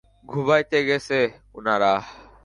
ঘুমাইতে গেসে ওনারা?